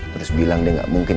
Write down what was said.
trus lumayan berangkat